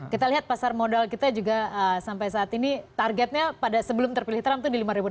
kita lihat pasar modal kita juga sampai saat ini targetnya pada sebelum terpilih trump itu di lima enam ratus